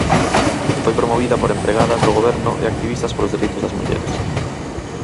E foi promovida por empregadas do Goberno e activistas polos dereitos das mulleres.